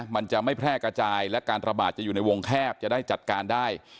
มันจะไม่แพร่กระจายและการระบาดจะอยู่ในวงแคบจะได้จัดการได้